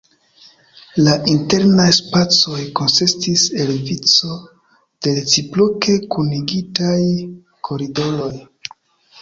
La internaj spacoj konsistis el vico de reciproke kunigitaj koridoroj.